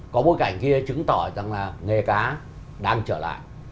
có bối cảnh kia chứng tỏ rằng là nghề cá đang trở lại